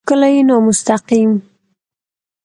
او کله يې نامستقيم